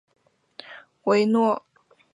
维诺托努斯凯尔特神话神只之一。